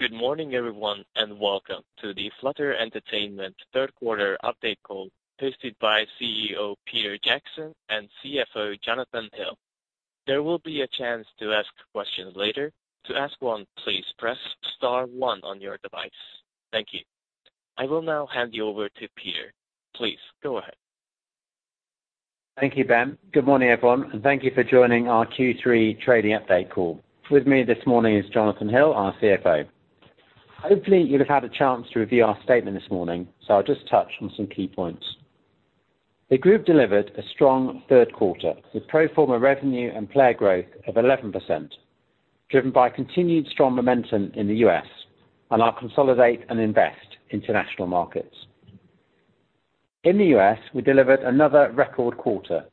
Good morning everyone and welcome to the Flutter Entertainment third quarter update call hosted by CEO, Peter Jackson and CFO, Jonathan Hill. There will be a chance to ask questions later. To ask one, please press star one on your device. Thank you. I will now hand you over to Peter. Please go ahead. Thank you, Ben. Good morning everyone, and thank you for joining our Q3 trading update call. With me this morning is Jonathan Hill, our CFO. Hopefully you'll have had a chance to review our statement this morning, so I'll just touch on some key points. The group delivered a strong third quarter with pro forma revenue and player growth of 11%, driven by continued strong momentum in the U.S. on our consolidate and invest international markets. In the U.S., we delivered another record quarter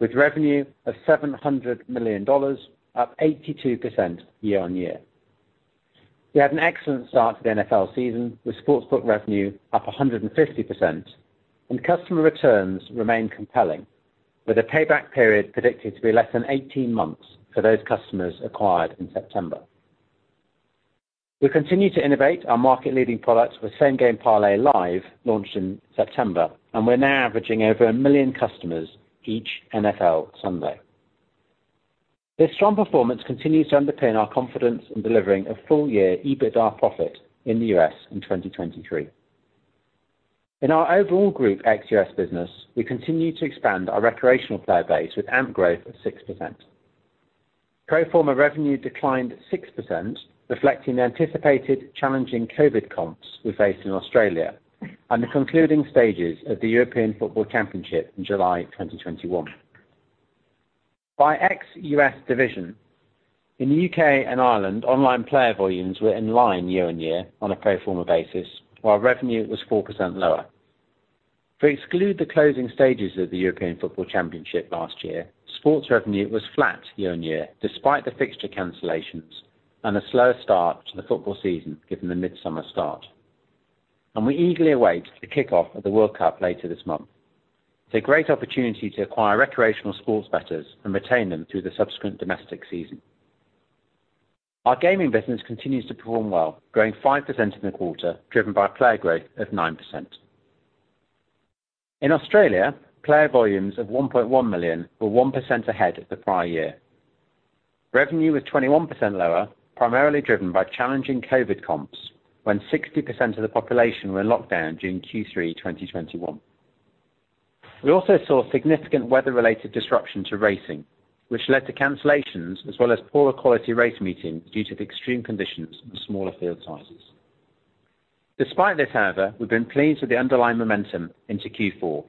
with revenue of $700 million, up 82% year-on-year. We had an excellent start to the NFL season, with sportsbook revenue up 150% and customer returns remain compelling with a payback period predicted to be less than 18 months for those customers acquired in September. We continue to innovate our market-leading products with Same Game Parlay Live launched in September, and we're now averaging over 1 million customers each NFL Sunday. This strong performance continues to underpin our confidence in delivering a full year EBITDA profit in the U.S. in 2023. In our overall group ex-U.S. business, we continue to expand our recreational player base with AMP growth of 6%. Pro forma revenue declined 6%, reflecting the anticipated challenging COVID comps we faced in Australia and the concluding stages of the European Football Championship in July 2021. By ex-U.S. division, in the U.K. and Ireland, online player volumes were in line year-on-year on a pro forma basis, while revenue was 4% lower. If we exclude the closing stages of the European Football Championship last year, sports revenue was flat year-on-year despite the fixture cancellations and a slower start to the football season, given the midsummer start. We eagerly await the kickoff of the World Cup later this month. It's a great opportunity to acquire recreational sports bettors and retain them through the subsequent domestic season. Our gaming business continues to perform well, growing 5% in the quarter, driven by player growth of 9%. In Australia, player volumes of 1.1 million were 1% ahead of the prior year. Revenue was 21% lower, primarily driven by challenging COVID comps, when 60% of the population were in lockdown during Q3 2021. We also saw significant weather-related disruption to racing, which led to cancellations as well as poorer quality race meetings due to the extreme conditions and smaller field sizes. Despite this, however, we've been pleased with the underlying momentum into Q4,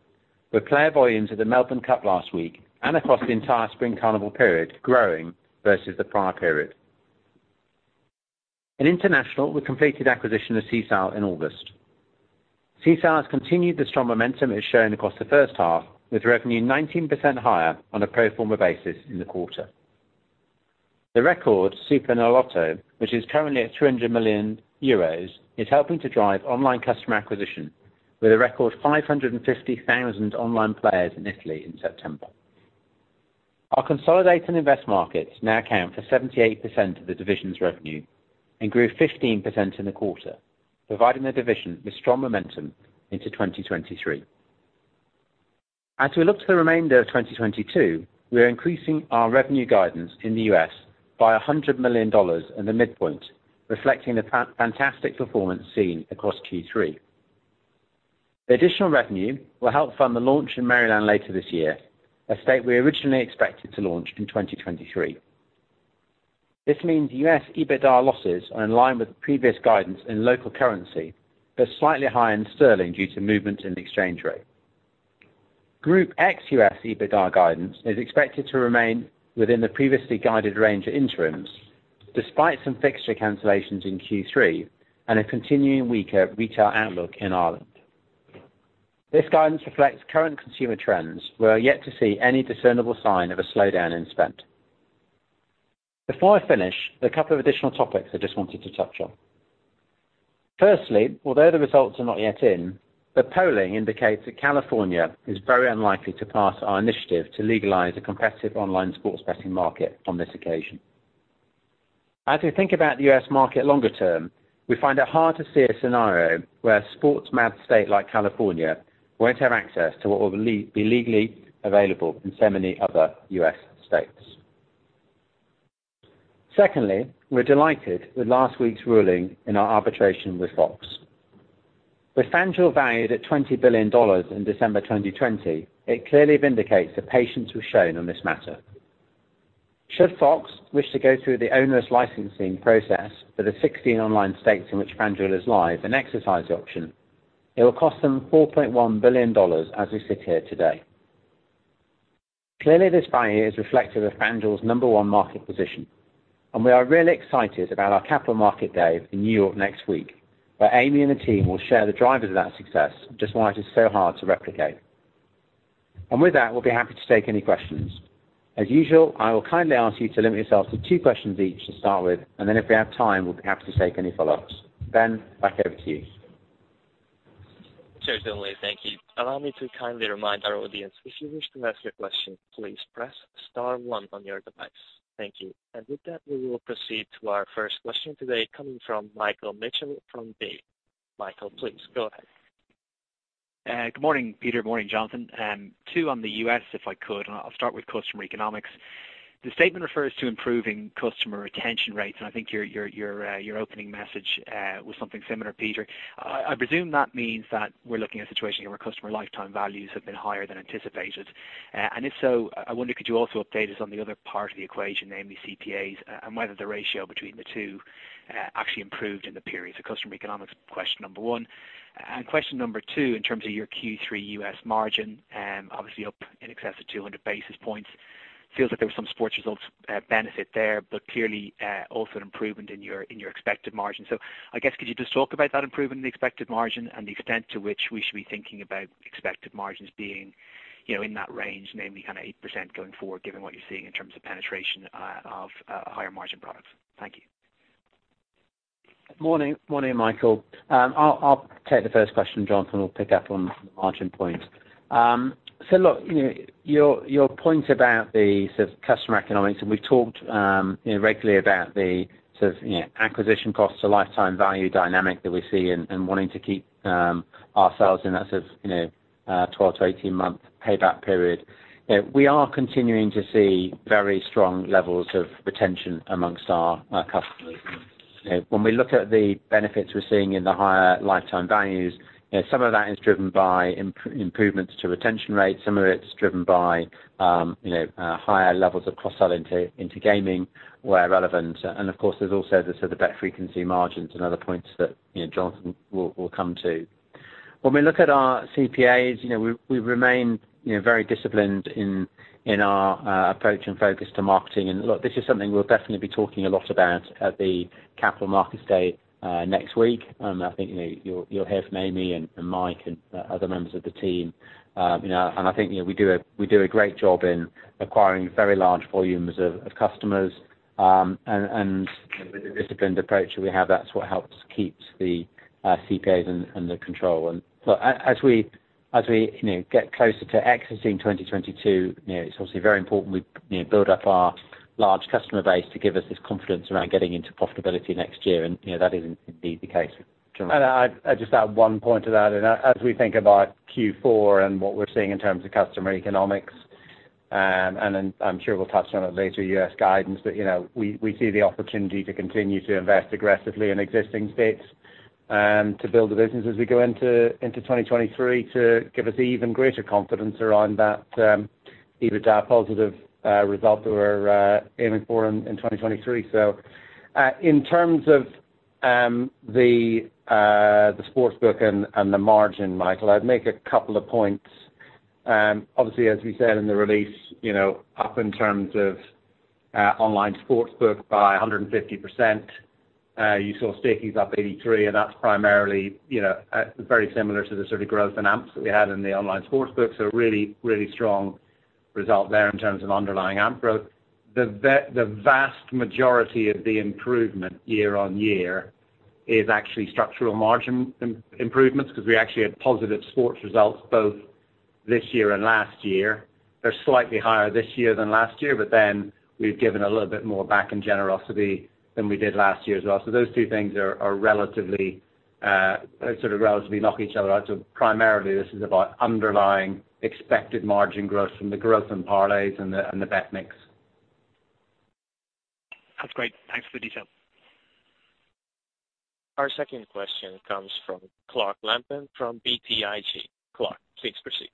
with player volumes at the Melbourne Cup last week and across the entire Spring Carnival period growing versus the prior period. In international, we completed acquisition of Sisal in August. Sisal has continued the strong momentum it's shown across the first half, with revenue 19% higher on a pro forma basis in the quarter. The record SuperEnalotto, which is currently at 200 million euros, is helping to drive online customer acquisition with a record 550,000 online players in Italy in September. Our consolidated and invest markets now account for 78% of the division's revenue and grew 15% in the quarter, providing the division with strong momentum into 2023. As we look to the remainder of 2022, we are increasing our revenue guidance in the U.S. by $100 million in the midpoint, reflecting the fantastic performance seen across Q3. The additional revenue will help fund the launch in Maryland later this year, a state we originally expected to launch in 2023. This means U.S. EBITDA losses are in line with previous guidance in local currency, but slightly higher in sterling due to movement in the exchange rate. Group ex-U.S. EBITDA guidance is expected to remain within the previously guided range at interims, despite some fixture cancellations in Q3 and a continuing weaker retail outlook in Ireland. This guidance reflects current consumer trends. We are yet to see any discernible sign of a slowdown in spend. Before I finish, there are a couple of additional topics I just wanted to touch on. Firstly, although the results are not yet in, but polling indicates that California is very unlikely to pass our initiative to legalize a competitive online sports betting market on this occasion. As we think about the U.S. market longer term, we find it hard to see a scenario where a sports-mad state like California won't have access to what will be legally available in so many other U.S. states. Secondly, we're delighted with last week's ruling in our arbitration with FOX. With FanDuel valued at $20 billion in December 2020, it clearly vindicates the patience we've shown on this matter. Should FOX wish to go through the onerous licensing process for the 16 online states in which FanDuel is live and exercise the option, it will cost them $4.1 billion as we sit here today. Clearly, this value is reflective of FanDuel's number one market position, and we are really excited about our Capital Markets Day in New York next week, where Amy and the team will share the drivers of that success, just why it is so hard to replicate. With that, we'll be happy to take any questions. As usual, I will kindly ask you to limit yourselves to two questions each to start with, and then if we have time, we'll be happy to take any follow-ups. Ben, back over to you. Certainly. Thank you. Allow me to kindly remind our audience, if you wish to ask a question, please press star one on your device. Thank you. With that, we will proceed to our first question today coming from Michael Mitchell from Barclays. Michael, please go ahead. Good morning, Peter. Morning, Jonathan. Two on the U.S., if I could. I'll start with customer economics. The statement refers to improving customer retention rates, and I think your opening message was something similar, Peter. I presume that means that we're looking at a situation where customer lifetime values have been higher than anticipated. If so, I wonder, could you also update us on the other part of the equation, namely CPAs, and whether the ratio between the two actually improved in the period? So customer economics, question number one. Question number two, in terms of your Q3 U.S. margin, obviously up in excess of 200 basis points. Feels like there was some sports results benefit there, but clearly also an improvement in your expected margin. I guess could you just talk about that improvement in the expected margin and the extent to which we should be thinking about expected margins being, you know, in that range, namely kind of 8% going forward, given what you're seeing in terms of penetration of higher margin products? Thank you. Morning, Michael. I'll take the first question, Jonathan will pick up on the margin point. Look, you know, your point about the sort of customer economics, and we've talked, you know, regularly about the sort of acquisition cost to lifetime value dynamic that we see and wanting to keep ourselves in that sort of 12 to 18 month payback period. You know, we are continuing to see very strong levels of retention amongst our customers. You know, when we look at the benefits we're seeing in the higher lifetime values, you know, some of that is driven by improvements to retention rates, some of it's driven by higher levels of cross-sell into gaming where relevant. Of course, there's also the sort of bet frequency margins and other points that, you know, Jonathan will come to. When we look at our CPAs, you know, we remain, you know, very disciplined in our approach and focus to marketing. Look, this is something we'll definitely be talking a lot about at the Capital Markets Day next week. I think, you know, you'll hear from Amy and Mike and other members of the team. You know, and I think, you know, we do a great job in acquiring very large volumes of customers, and with the disciplined approach that we have, that's what helps keep the CPAs under control. As we, you know, get closer to exiting 2022, you know, it's obviously very important we, you know, build up our large customer base to give us this confidence around getting into profitability next year. you know, that is indeed the case. Jonathan? I'd just add one point to that. As we think about Q4 and what we're seeing in terms of customer economics, and then I'm sure we'll touch on it later, U.S. guidance. You know, we see the opportunity to continue to invest aggressively in existing states to build the business as we go into 2023 to give us even greater confidence around that EBITDA positive result that we're aiming for in 2023. In terms of the sports book and the margin, Michael, I'd make a couple of points. Obviously, as we said in the release, you know, up in terms of online sports book by 150%. You saw stickies up 83%, and that's primarily, you know, very similar to the sort of growth in AMPs that we had in the online sportsbook. Really strong result there in terms of underlying AMP growth. The vast majority of the improvement year-on-year is actually structural margin improvements because we actually had positive sports results both this year and last year. They're slightly higher this year than last year, but then we've given a little bit more back in generosity than we did last year as well. Those two things are relatively sort of net each other out. Primarily, this is about underlying expected margin growth from the growth in parlays and the bet mix. That's great. Thanks for the detail. Our second question comes from Clark Lampen, from BTIG. Clark, please proceed.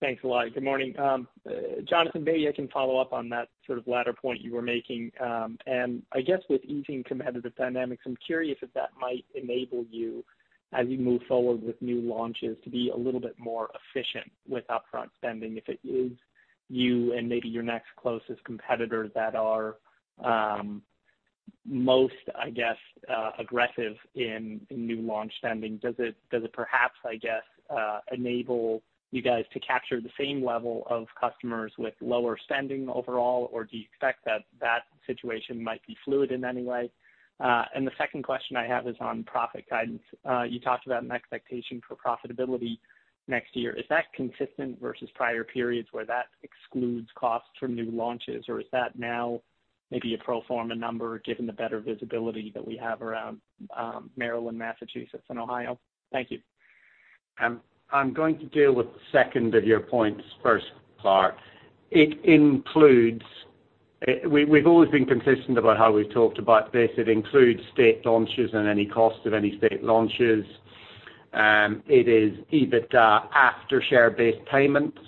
Thanks a lot. Good morning. Jonathan, maybe I can follow up on that sort of latter point you were making. I guess with easing competitive dynamics, I'm curious if that might enable you, as you move forward with new launches, to be a little bit more efficient with upfront spending, if it is you and maybe your next closest competitors that are most, I guess, aggressive in new launch spending. Does it perhaps, I guess, enable you guys to capture the same level of customers with lower spending overall? Or do you expect that situation might be fluid in any way? The second question I have is on profit guidance. You talked about an expectation for profitability next year. Is that consistent versus prior periods where that excludes costs from new launches, or is that now maybe a pro forma number given the better visibility that we have around, Maryland, Massachusetts, and Ohio? Thank you. I'm going to deal with the second of your points first, Clark. We've always been consistent about how we've talked about this. It includes state launches and any cost of any state launches. It is EBITDA after share-based payments.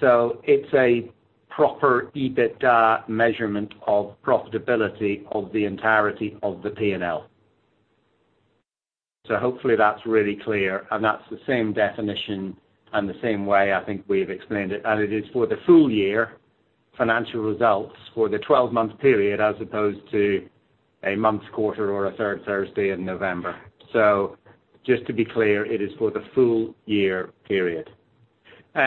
It's a proper EBITDA measurement of profitability of the entirety of the P&L. Hopefully that's really clear, and that's the same definition and the same way I think we've explained it. It is for the full year financial results for the twelve-month period, as opposed to a month's quarter or a third Thursday in November. Just to be clear, it is for the full year period.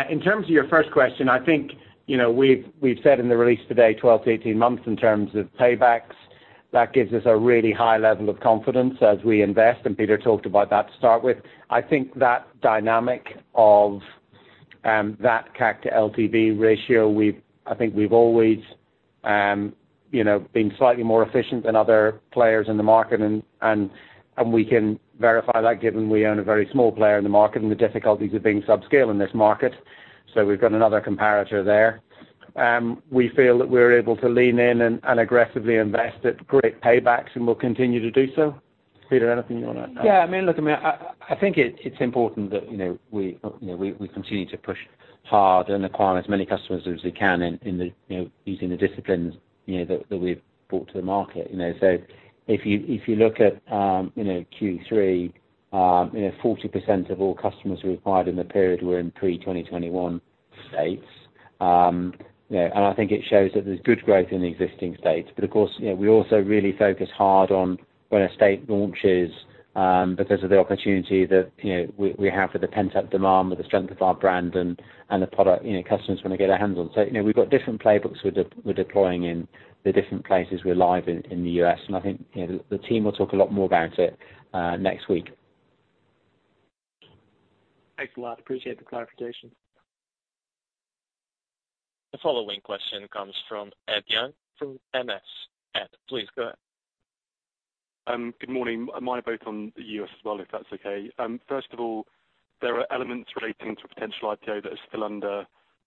In terms of your first question, I think, you know, we've said in the release today, 12 to 18 months in terms of paybacks. That gives us a really high level of confidence as we invest, and Peter talked about that to start with. I think that dynamic of that CAC to LTV ratio. I think we've always, you know, been slightly more efficient than other players in the market and we can verify that given we own a very small player in the market and the difficulties of being subscale in this market. So we've got another comparator there. We feel that we're able to lean in and aggressively invest at great paybacks, and we'll continue to do so. Peter, anything you wanna add? Yeah. I mean, look, I think it's important that, you know, we continue to push hard and acquire as many customers as we can in the, you know, using the disciplines, you know, that we've brought to the market, you know. If you look at Q3, you know, 40% of all customers we acquired in the period were in pre-2021 states. You know, I think it shows that there's good growth in the existing states. Of course, you know, we also really focus hard on when a state launches, because of the opportunity that, you know, we have for the pent-up demand, with the strength of our brand and the product, you know, customers wanna get their hands on. You know, we've got different playbooks we're deploying in the different places we're live in the U.S. I think, you know, the team will talk a lot more about it, next week. Thanks a lot. Appreciate the clarification. The following question comes from Ed Young from MS. Ed, please go ahead. Good morning. Mine are both on the U.S. as well, if that's okay. First of all, there are elements relating to a potential IPO that are still under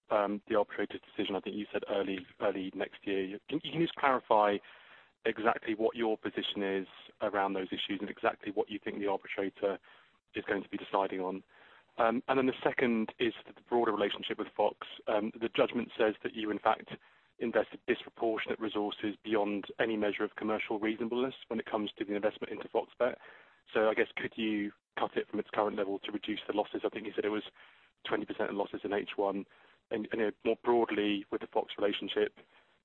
the arbitrator's decision. I think you said early next year. Can you just clarify exactly what your position is around those issues and exactly what you think the arbitrator is going to be deciding on? The second is the broader relationship with FOX. The judgment says that you in fact invested disproportionate resources beyond any measure of commercial reasonableness when it comes to the investment into FOX Bet. I guess could you cut it from its current level to reduce the losses? I think you said it was 20% in losses in H1. You know, more broadly with the FOX relationship,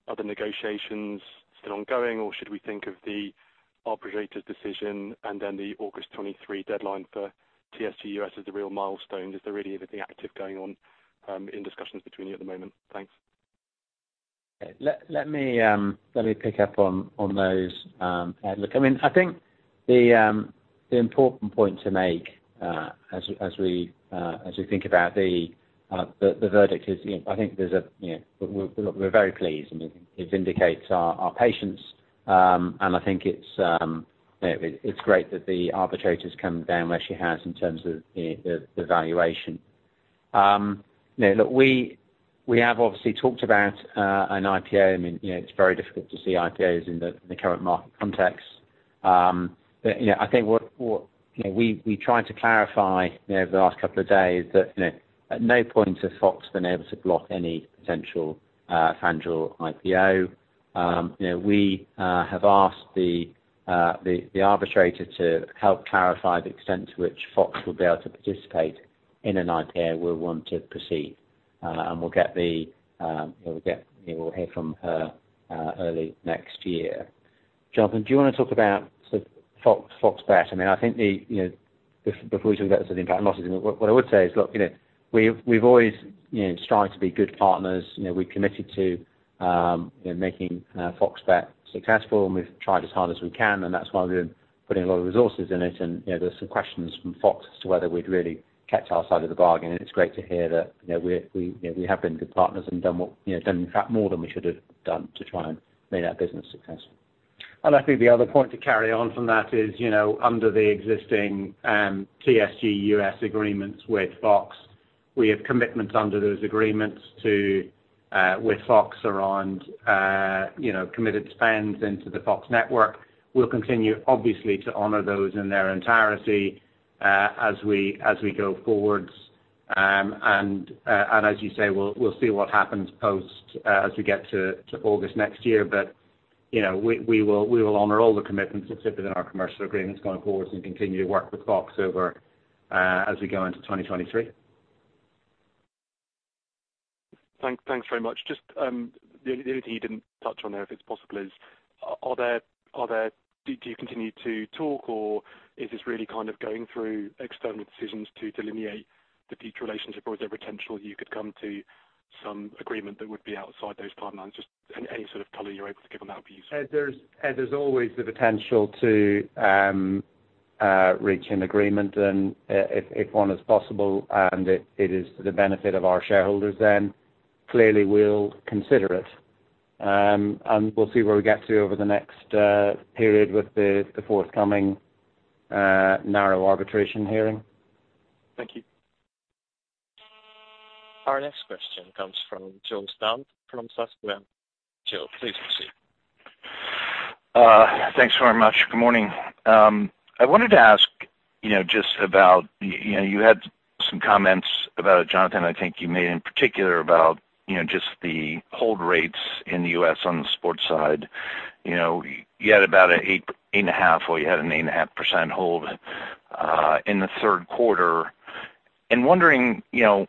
are the negotiations still ongoing, or should we think of the arbitrator's decision and then the August 23 deadline for TSG U.S. as the real milestone? Is there really anything active going on, in discussions between you at the moment? Thanks. Let me pick up on those, Ed. Look, I mean, I think the important point to make, as we think about the verdict is, you know. We're very pleased, and it vindicates our patience. I think it's, you know, it's great that the arbitrator's come down where she has in terms of the valuation. You know, look, we have obviously talked about an IPO. I mean, you know, it's very difficult to see IPOs in the current market context. You know, I think what you know we tried to clarify you know over the last couple of days that, you know, at no point has FOX been able to block any potential FanDuel IPO. You know, we have asked the arbitrator to help clarify the extent to which FOX will be able to participate in an IPO we'll want to proceed. We'll hear from her early next year. Jonathan, do you wanna talk about sort of FOX Bet? I mean, I think the you know before we talk about the impact and losses, what I would say is, look, you know, we've always you know strived to be good partners. You know, we're committed to you know making FOX Bet successful, and we've tried as hard as we can, and that's why we're putting a lot of resources in it. You know, there's some questions from FOX as to whether we'd really kept our side of the bargain, and it's great to hear that, you know, we're you know we have been good partners and done what, you know, done in fact more than we should have done to try and make that business successful. I think the other point to carry on from that is, you know, under the existing TSG U.S. agreements with FOX, we have commitments under those agreements to with FOX around, you know, committed spends into the FOX network. We'll continue obviously to honor those in their entirety as we go forwards. And as you say, we'll see what happens post as we get to August next year. You know, we will honor all the commitments that sit within our commercial agreements going forwards and continue to work with FOX over as we go into 2023. Thanks very much. Just the only thing you didn't touch on there, if it's possible, is do you continue to talk, or is this really kind of going through external decisions to delineate the future relationship? Or is there potential you could come to some agreement that would be outside those timelines? Just any sort of color you're able to give on that would be useful. Ed, there's always the potential to reach an agreement. If one is possible and it is to the benefit of our shareholders, then clearly we'll consider it. We'll see where we get to over the next period with the forthcoming narrow arbitration hearing. Thank you. Our next question comes from Joe Stauff from Susquehanna. Joe, please proceed. Thanks very much. Good morning. I wanted to ask, you know, just about, you know, you had some comments about, Jonathan, I think you made in particular about, you know, just the hold rates in the U.S. on the sports side. You know, you had about an 8.5, or an 8.5% hold in the third quarter. Wondering, you know,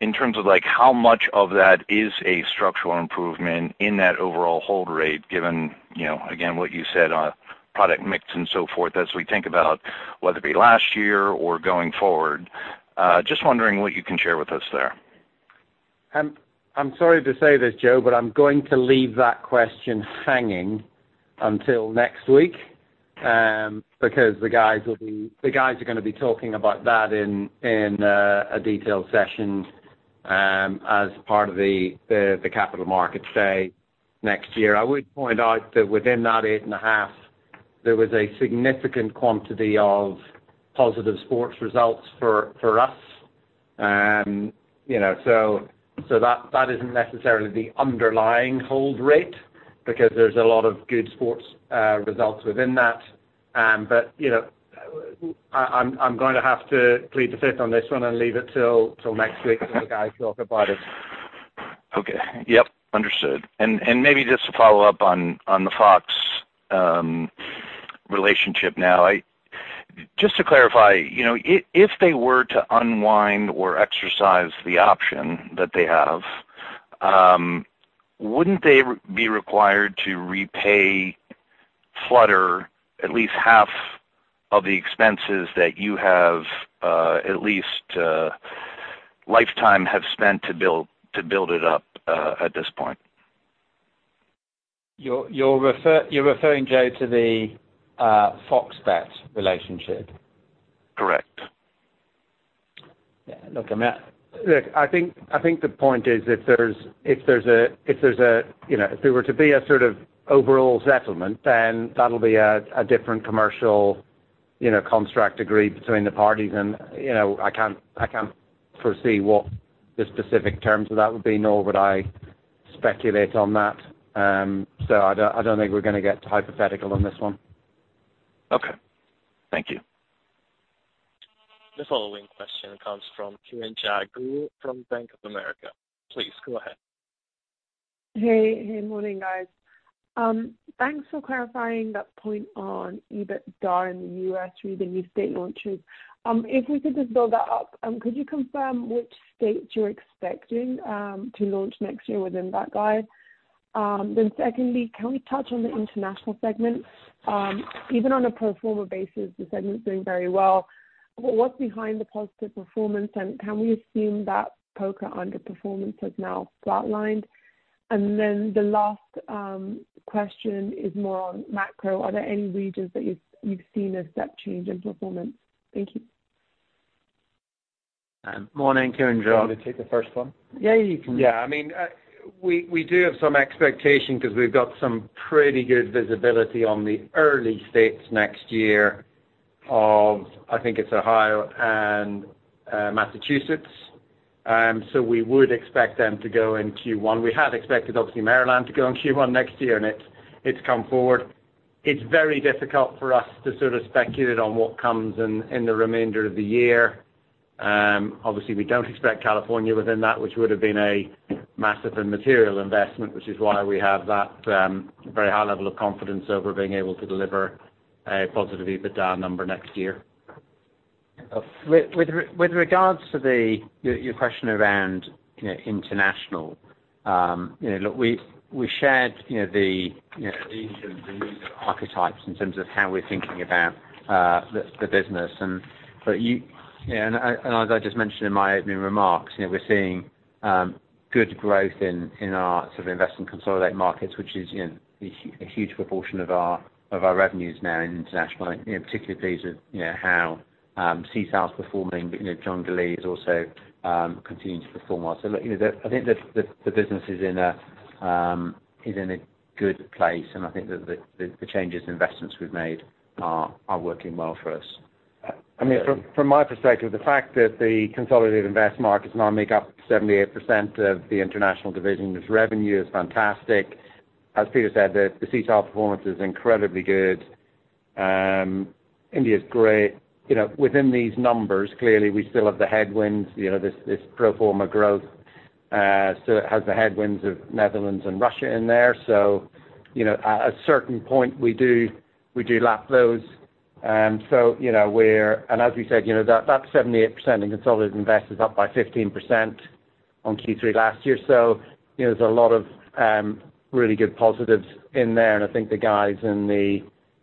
in terms of like how much of that is a structural improvement in that overall hold rate given, you know, again, what you said on product mix and so forth as we think about whether it be last year or going forward. Just wondering what you can share with us there. I'm sorry to say this, Joe, but I'm going to leave that question hanging until next week, because the guys are gonna be talking about that in a detailed session as part of the Capital Markets Day next year. I would point out that within that 8.5, there was a significant quantity of positive sports results for us. You know, so that isn't necessarily the underlying hold rate because there's a lot of good sports results within that. You know, I'm going to have to plead the fifth on this one and leave it till next week when the guys talk about it. Okay. Yep, understood. Maybe just to follow up on the FOX relationship now. Just to clarify, you know, if they were to unwind or exercise the option that they have, wouldn't they be required to repay Flutter at least half of the lifetime expenses that you have spent to build it up at this point? You're referring, Joe, to the FOX Bet relationship. Correct. Yeah. Look, I mean. Look, I think the point is if there were to be a sort of overall settlement, then that'll be a different commercial construct agreed between the parties and I can't foresee what the specific terms of that would be, nor would I speculate on that. I don't think we're gonna get hypothetical on this one. Okay. Thank you. The following question comes from Kiranjot from Bank of America. Please go ahead. Hey, hey, morning, guys. Thanks for clarifying that point on EBITDA in the U.S. through the new state launches. If we could just build that up, could you confirm which states you're expecting to launch next year within that guide? Secondly, can we touch on the international segment? Even on a pro forma basis, the segment's doing very well. What's behind the positive performance, and can we assume that Poker underperformance has now flatlined? The last question is more on macro. Are there any regions that you've seen a step change in performance? Thank you. Morning, Kiranjot. Do you want me to take the first one? Yeah, you can. Yeah. I mean, we do have some expectation because we've got some pretty good visibility on the early states next year of I think it's Ohio and Massachusetts. We would expect them to go in Q1. We had expected obviously Maryland to go in Q1 next year, and it's come forward. It's very difficult for us to sort of speculate on what comes in the remainder of the year. Obviously we don't expect California within that, which would have been a massive and material investment, which is why we have that very high level of confidence over being able to deliver a positive EBITDA number next year. With regards to your question around, you know, international, you know, look, we shared, you know, the archetypes in terms of how we're thinking about the business, but you. Yeah, as I just mentioned in my opening remarks, you know, we're seeing good growth in our sort of international consolidated markets, which is, you know, a huge proportion of our revenues now in international. You know, particularly pleased with, you know, how Sisal is performing, but, you know, Junglee is also continuing to perform well. Look, you know, the business is in a good place, and I think that the changes and investments we've made are working well for us. I mean, from my perspective, the fact that the consolidated regulated markets now make up 78% of the international division's revenue is fantastic. As Peter said, the Sisal performance is incredibly good. India's great. You know, within these numbers, clearly we still have the headwinds. You know, this pro forma growth still has the headwinds of Netherlands and Russia in there. You know, at a certain point, we do lap those. As we said, you know, that 78% in consolidated regulated is up by 15% on Q3 last year. You know, there's a lot of really good positives in there, and I think the guys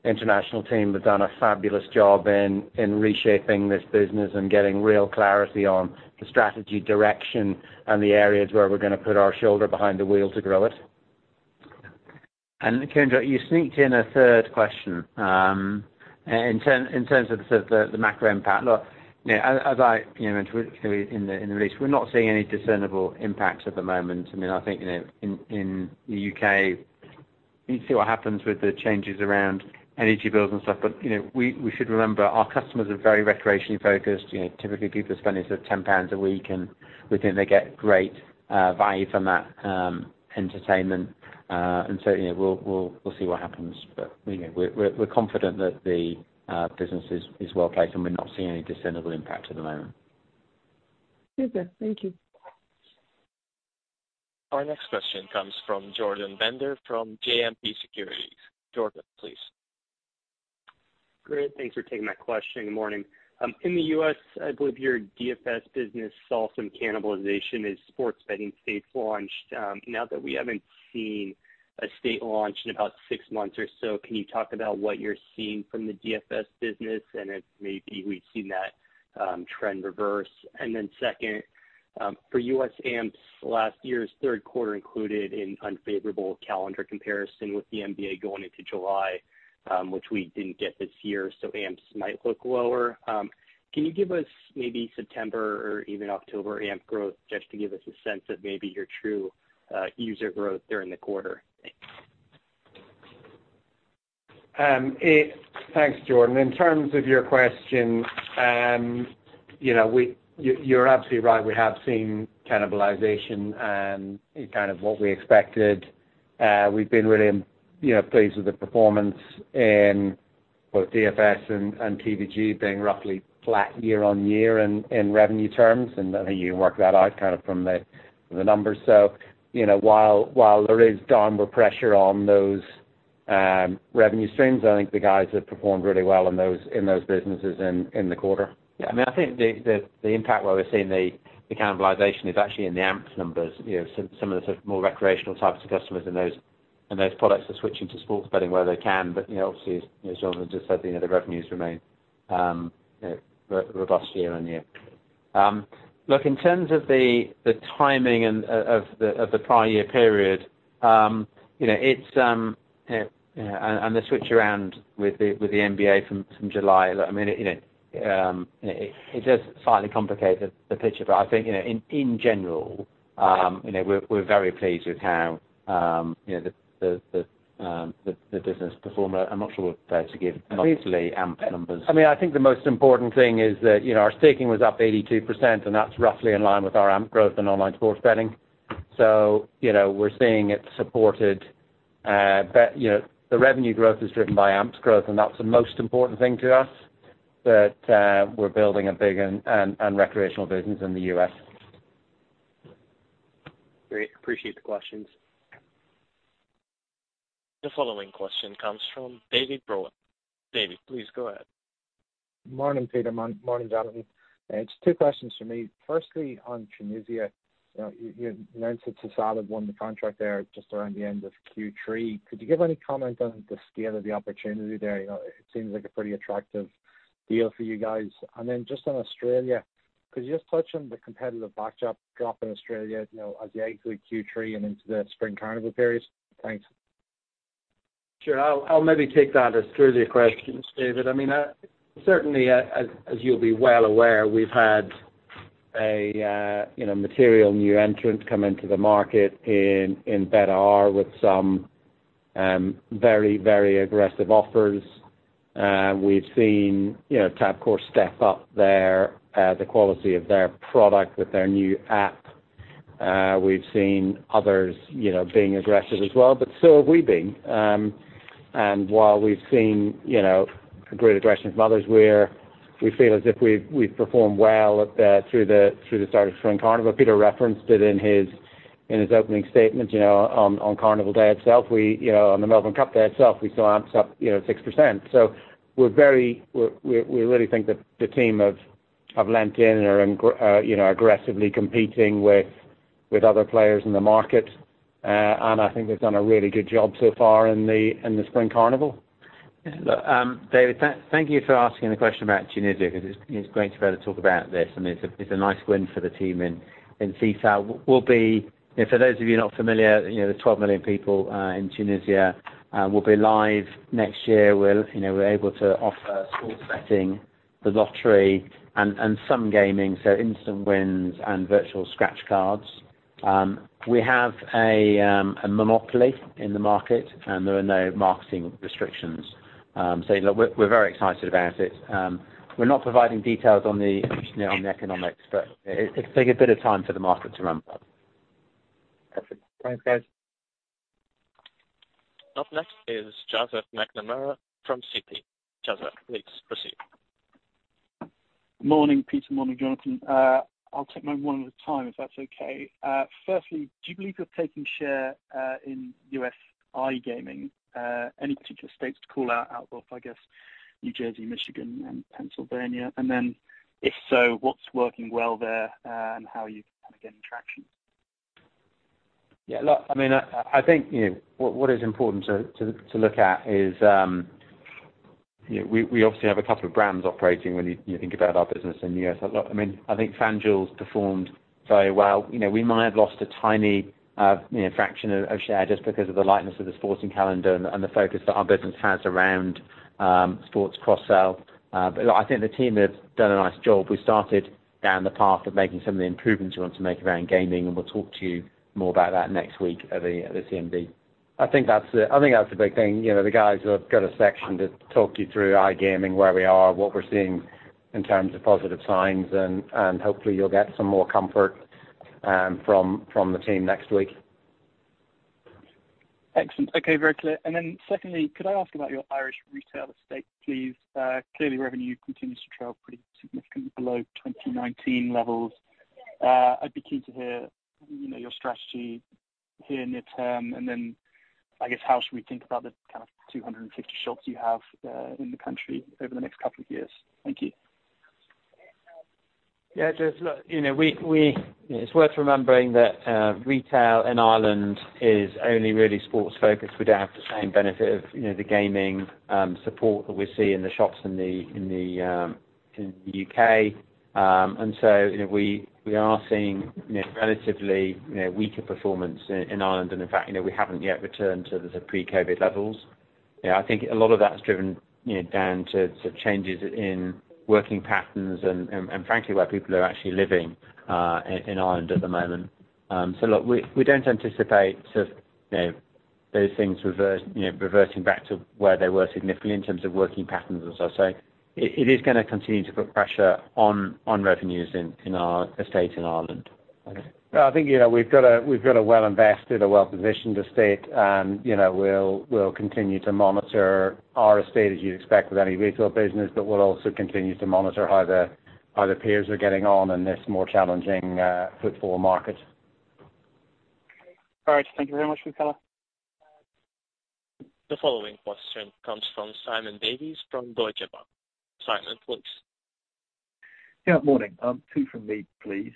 in the international team have done a fabulous job in reshaping this business and getting real clarity on the strategy direction and the areas where we're gonna put our shoulder behind the wheel to grow it. Kiranjot, you sneaked in a third question. In terms of the macro impact. Look, you know, as I, you know, mentioned in the release, we're not seeing any discernible impact at the moment. I mean, I think, you know, in the U.K., we'll see what happens with the changes around energy bills and stuff. You know, we should remember our customers are very recreationally focused. You know, typically people are spending sort of 10 pounds a week, and we think they get great value from that entertainment. You know, we'll see what happens. You know, we're confident that the business is well placed, and we're not seeing any discernible impact at the moment. Super. Thank you. Our next question comes from Jordan Bender from JMP Securities. Jordan, please. Great. Thanks for taking my question. Good morning. In the U.S., I believe your DFS business saw some cannibalization as sports betting states launched. Now that we haven't seen a state launch in about six months or so, can you talk about what you're seeing from the DFS business, and if maybe we've seen that trend reverse? Second, for U.S. AMPs, last year's third quarter included an unfavorable calendar comparison with the NBA going into July, which we didn't get this year, so AMPs might look lower. Can you give us maybe September or even October AMP growth just to give us a sense of maybe your true user growth during the quarter? Thanks. Thanks, Jordan. In terms of your question, you know, you're absolutely right, we have seen cannibalization, and it's kind of what we expected. We've been really, you know, pleased with the performance in both DFS and TVG being roughly flat year-on-year in revenue terms, and I think you can work that out kind of from the numbers. You know, while there is downward pressure on those revenue streams, I think the guys have performed really well in those businesses in the quarter. Yeah, I mean, I think the impact where we're seeing the cannibalization is actually in the AMPs numbers. You know, some of the sort of more recreational types of customers in those products are switching to sports betting where they can. You know, obviously, as you know, Jordan just said, you know, the revenues remain robust year-on-year. Look, in terms of the timing and of the prior year period, you know, it's and the switch around with the NBA from July. Look, I mean, you know, it does slightly complicate the picture. I think, you know, in general, you know, we're very pleased with how, you know, the business performed. I'm not sure we're prepared to give monthly AMP numbers. I mean, I think the most important thing is that, you know, our staking was up 82%, and that's roughly in line with our AMP growth in online sports betting. You know, we're seeing it supported. You know, the revenue growth is driven by AMPs growth, and that's the most important thing to us, that we're building a big and recreational business in the U.S. Great. Appreciate the questions. The following question comes from David Brohan. David, please go ahead. Morning, Peter. Morning, Jonathan. It's two questions from me. Firstly, on Tunisia, you know, you announced that Sisal had won the contract there just around the end of Q3. Could you give any comment on the scale of the opportunity there? You know, it seems like a pretty attractive deal for you guys. Just on Australia, could you just touch on the competitive backdrop in Australia, you know, as you enter Q3 and into the Spring Carnival periods? Thanks. Sure. I'll maybe take that as two-part question, David. I mean, certainly, as you'll be well aware, we've had a you know, material new entrant come into the market in Betr with some very aggressive offers. We've seen you know, Tabcorp step up the quality of their product with their new app. We've seen others you know, being aggressive as well, but so have we been. While we've seen you know, great aggression from others, we feel as if we've performed well through the start of Spring Racing Carnival. Peter referenced it in his opening statement, you know, on Carnival day itself. You know, on the Melbourne Cup day itself, we saw AMPs up you know, 6%. We really think that the team have leaned in and are you know aggressively competing with other players in the market. I think they've done a really good job so far in the Spring Carnival. Look, David, thank you for asking the question about Tunisia, because it's great to be able to talk about this. I mean, it's a nice win for the team in FIFA. You know, for those of you not familiar, you know, the 12 million people in Tunisia, we'll be live next year. You know, we're able to offer sports betting, the lottery, and some gaming, so instant wins and virtual scratch cards. We have a monopoly in the market, and there are no marketing restrictions. Look, we're very excited about it. We're not providing details on the economics, but it'll take a bit of time for the market to ramp up. Perfect. Thanks, guys. Up next is Joseph McNamara from Citi. Joseph, please proceed. Morning, Peter. Morning, Jonathan. I'll take mine one at a time, if that's okay. Firstly, do you believe you're taking share in U.S. iGaming? Any particular states to call out of, I guess, New Jersey, Michigan, and Pennsylvania. Then if so, what's working well there, and how are you kind of getting traction? Yeah, look, I mean, I think, you know, what is important to look at is, you know, we obviously have a couple of brands operating when you think about our business in the U.S.. Look, I mean, I think FanDuel's performed very well. You know, we might have lost a tiny, you know, fraction of share just because of the lightness of the sporting calendar and the focus that our business has around sports cross-sell. Look, I think the team have done a nice job. We started down the path of making some of the improvements we want to make around gaming, and we'll talk to you more about that next week at the CMD. I think that's the big thing. You know, the guys have got a section to talk you through iGaming, where we are, what we're seeing in terms of positive signs, and hopefully you'll get some more comfort from the team next week. Excellent. Okay. Very clear. Secondly, could I ask about your Irish retail estate, please? Clearly revenue continues to trail pretty significantly below 2019 levels. I'd be keen to hear, you know, your strategy. In the near term, and then I guess how should we think about the kind of 250 shops you have in the country over the next couple of years? Thank you. Just look, you know, it's worth remembering that retail in Ireland is only really sports focused. We don't have the same benefit of, you know, the gaming support that we see in the shops in the U.K. You know, we are seeing relatively, you know, weaker performance in Ireland. In fact, you know, we haven't yet returned to the pre-COVID levels. I think a lot of that is driven, you know, down to sort of changes in working patterns and frankly, where people are actually living in Ireland at the moment. Look, we don't anticipate sort of, you know, those things reverse, you know, reverting back to where they were significantly in terms of working patterns and so. It is gonna continue to put pressure on revenues in our estate in Ireland. Okay. I think, you know, we've got a well-invested, a well-positioned estate. You know, we'll continue to monitor our estate as you expect with any retail business. We'll also continue to monitor how the peers are getting on in this more challenging football market. All right. Thank you very much, Michaela. The following question comes from Simon Davies from Deutsche Bank. Simon, please. Yeah. Morning. Two from me, please.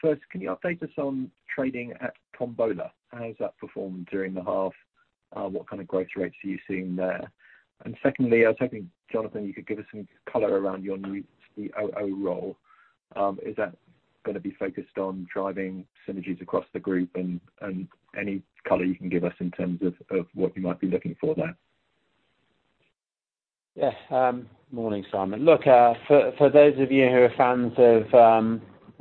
First, can you update us on trading at Tombola? How has that performed during the half? What kind of growth rates are you seeing there? And secondly, I was hoping, Jonathan, you could give us some color around your new COO role. Is that gonna be focused on driving synergies across the group? And any color you can give us in terms of what you might be looking for there. Yeah. Morning, Simon. Look, for those of you who are fans of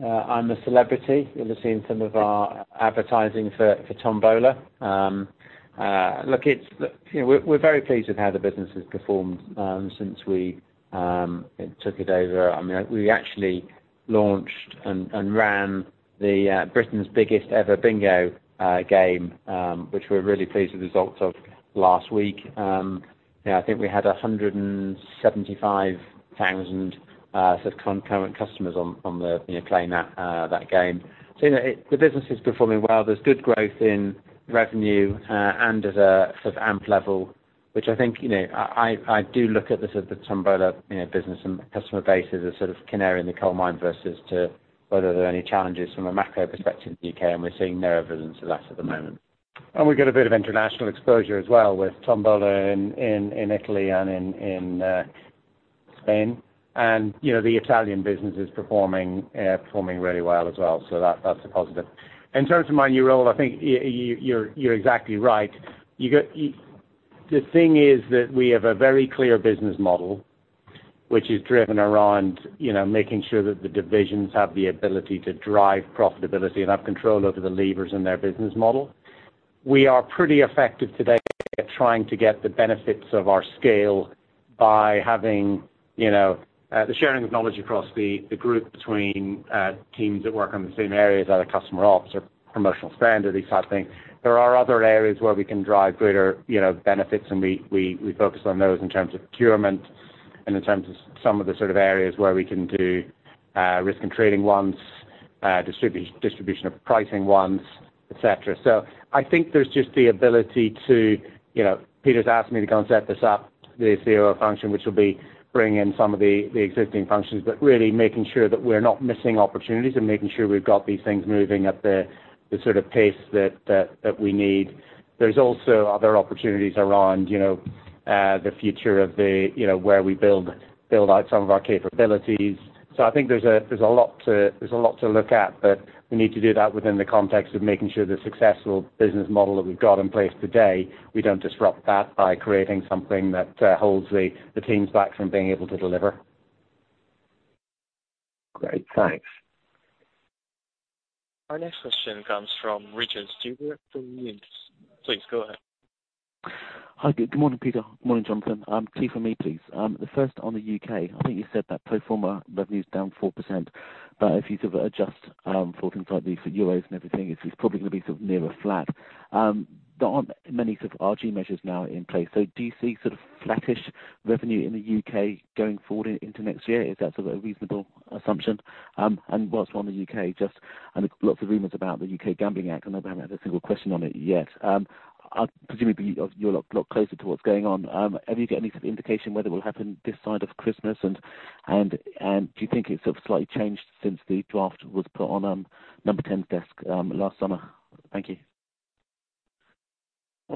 I'm a Celebrity, you'll have seen some of our advertising for Tombola. Look, it's. You know, we're very pleased with how the business has performed since we took it over. I mean, we actually launched and ran Britain's biggest ever bingo game, which we're really pleased with the results of last week. Yeah, I think we had 175,000 sort of concurrent customers on the you know, playing that game. So, you know, the business is performing well. There's good growth in revenue and at a sort of AMP level, which I think, you know, I do look at the sort of Tombola, you know, business and customer base as a sort of canary in the coal mine versus to whether there are any challenges from a macro perspective in the U.K., and we're seeing no evidence of that at the moment. We get a bit of international exposure as well with Tombola in Italy and in Spain. You know, the Italian business is performing really well as well. That's a positive. In terms of my new role, I think you're exactly right. The thing is that we have a very clear business model which is driven around, you know, making sure that the divisions have the ability to drive profitability and have control over the levers in their business model. We are pretty effective today at trying to get the benefits of our scale by having, you know, the sharing of knowledge across the group between teams that work on the same areas, either customer ops or promotional spend or these type of things. There are other areas where we can drive greater, you know, benefits, and we focus on those in terms of procurement and in terms of some of the sort of areas where we can do risk and trading ones, distribution of pricing ones, et cetera. I think there's just the ability to you know, Peter's asked me to go and set this up, the COO function, which will be bringing some of the existing functions, but really making sure that we're not missing opportunities and making sure we've got these things moving at the sort of pace that we need. There's also other opportunities around, you know, the future of the you know, where we build out some of our capabilities. I think there's a lot to look at, but we need to do that within the context of making sure the successful business model that we've got in place today, we don't disrupt that by creating something that holds the teams back from being able to deliver. Great. Thanks. Our next question comes from Richard Stuber from Numis. Please go ahead. Hi. Good morning, Peter. Morning, Jonathan. Two for me, please. The first on the U.K., I think you said that pro forma revenue's down 4%. If you sort of adjust for things like the euros and everything, it's probably gonna be sort of nearer flat. There aren't many sort of RG measures now in place. Do you see sort of flattish revenue in the U.K. going forward into next year? Is that sort of a reasonable assumption? While we're on the U.K., just, I know there's lots of rumors about the Gambling Act 2005. I know we haven't had a single question on it yet. You're a lot closer to what's going on. Have you got any sort of indication whether it will happen this side of Christmas? Do you think it's sort of slightly changed since the draft was put on number ten's desk last summer? Thank you.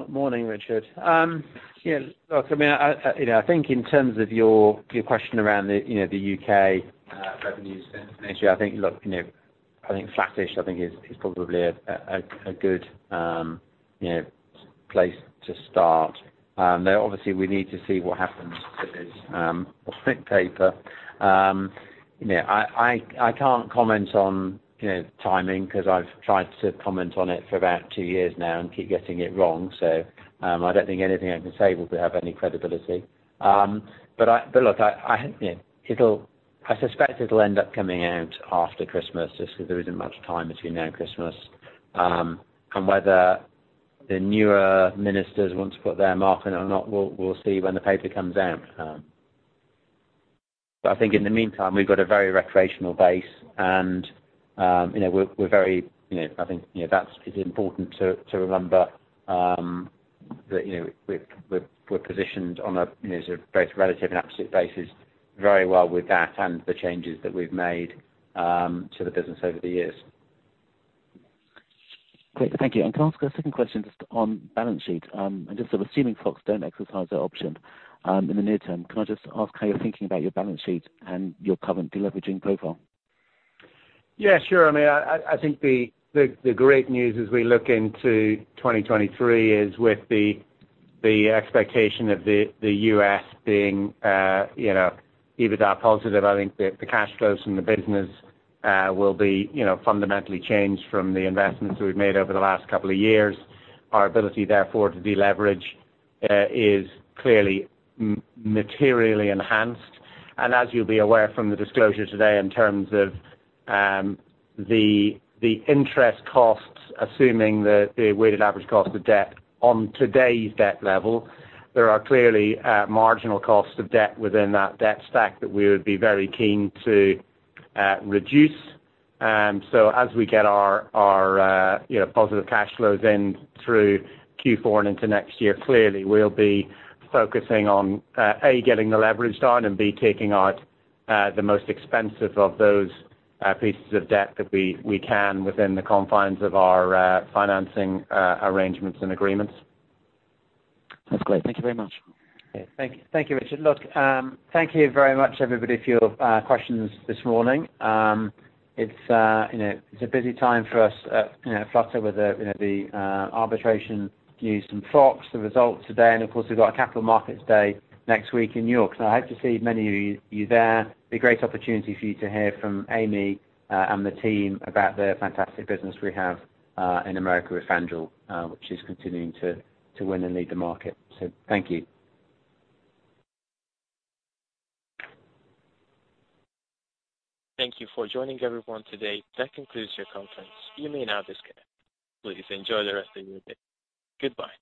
Morning, Richard. Yeah, look, I mean, you know, I think in terms of your question around the U.K. revenues next year, I think flattish is probably a good place to start. Now obviously we need to see what happens to this white paper. You know, I can't comment on timing 'cause I've tried to comment on it for about two years now and keep getting it wrong. So, I don't think anything I can say will have any credibility. But look, I suspect it'll end up coming out after Christmas just 'cause there isn't much time between now and Christmas. Whether the newer ministers want to put their mark on it or not, we'll see when the paper comes out. I think in the meantime, we've got a very recreational base, and, you know, we're very, you know, I think, you know, that's important to remember, that, you know, we're positioned on a, you know, sort of both relative and absolute basis very well with that and the changes that we've made to the business over the years. Great. Thank you. Can I ask a second question just on balance sheet? Just sort of assuming folks don't exercise their option, in the near term, can I just ask how you're thinking about your balance sheet and your current deleveraging profile? Yeah, sure. I mean, I think the great news as we look into 2023 is with the expectation of the U.S. Being, you know, EBITDA positive, I think the cash flows from the business will be, you know, fundamentally changed from the investments we've made over the last couple of years. Our ability, therefore, to deleverage is clearly materially enhanced. As you'll be aware from the disclosure today in terms of the interest costs, assuming that the weighted average cost of debt on today's debt level, there are clearly marginal costs of debt within that debt stack that we would be very keen to reduce. As we get our you know positive cash flows in through Q4 and into next year, clearly we'll be focusing on getting the leverage down, and basically taking out the most expensive of those pieces of debt that we can within the confines of our financing arrangements and agreements. That's great. Thank you very much. Thank you. Thank you, Richard. Look, thank you very much, everybody, for your questions this morning. It's you know, a busy time for us, you know, Flutter with the you know, the arbitration news from FOX, the results today, and of course, we've got a capital markets day next week in New York. I hope to see many of you there. Be a great opportunity for you to hear from Amy and the team about the fantastic business we have in America with FanDuel, which is continuing to win and lead the market. Thank you. Thank you for joining everyone today. That concludes your conference. You may now disconnect. Please enjoy the rest of your day. Goodbye.